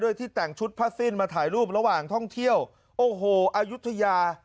ที่แต่งชุดผ้าสิ้นมาถ่ายรูประหว่างท่องเที่ยวโอ้โหอายุทยา